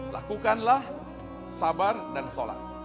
lakukanlah sabar dan sholat